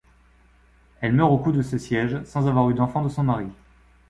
Elle meurt au cours de ce siège, sans avoir eu d’enfants de son mari.